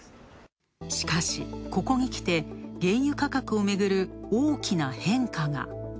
しかし、ここにきて原油価格をめぐる大きな変化が。